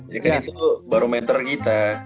kan itu barometer kita